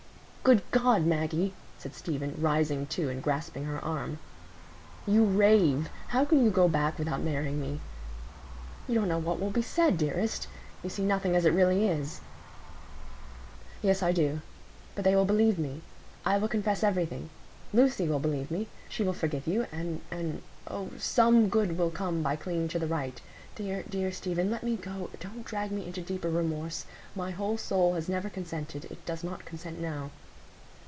"Good God, Maggie!" said Stephen, rising too and grasping her arm, "you rave. How can you go back without marrying me? You don't know what will be said, dearest. You see nothing as it really is." "Yes, I do. But they will believe me. I will confess everything. Lucy will believe me—she will forgive you, and—and—oh, some good will come by clinging to the right. Dear, dear Stephen, let me go!—don't drag me into deeper remorse. My whole soul has never consented; it does not consent now."